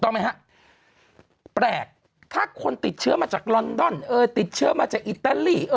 ถ้าคนติดเชื้อมาจากลอนดอนติดเชื้อมาจากอิตาลี